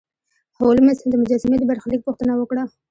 هولمز د مجسمې د برخلیک پوښتنه وکړه.